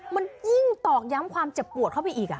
มันยิ่งตอกย้ำความเจ็บปวดเข้าไปอีก